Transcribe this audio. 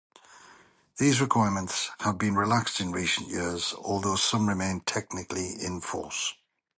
These requirements have been relaxed in recent years, although some remain technically in force.